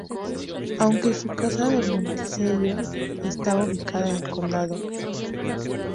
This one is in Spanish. Aunque su casa de Monticello estaba ubicada en el condado.